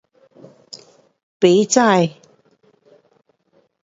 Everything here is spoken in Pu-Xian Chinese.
bei chai